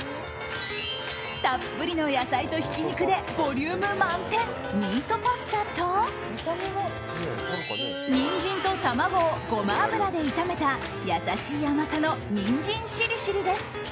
たっぷりの野菜とひき肉でボリューム満点ミートパスタとニンジンと卵をゴマ油で炒めた優しい甘さのニンジンしりしりです。